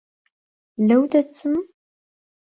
لەو دەچم؟